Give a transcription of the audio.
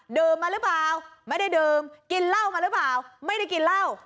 มาหรือเปล่าไม่ได้ดื่มกินเหล้ามาหรือเปล่าไม่ได้กินเหล้า